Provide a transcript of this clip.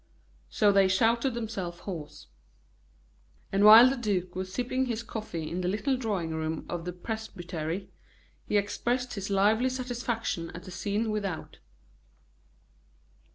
So they shouted themselves hoarse. And while the duke was sipping his coffee in the little drawing room of the presbytery, he expressed his lively satisfaction at the scene without.